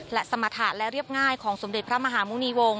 และสมรรถะและเรียบง่ายของสมเด็จพระมหามุณีวงศ